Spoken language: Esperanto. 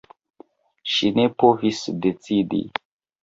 Ŝi ne povis decidi.